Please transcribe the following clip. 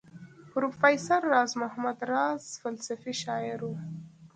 پروفیسر راز محمد راز فلسفي شاعر وو.